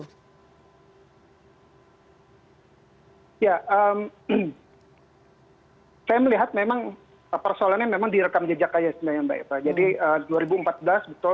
ya saya melihat memang persoalannya memang di rekam jejak saja sebenarnya mbak eva